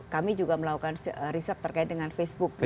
kami juga melakukan riset terkait dengan facebook